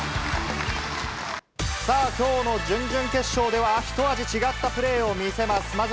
さあ、きょうの準々決勝では一味違ったプレーを見せます。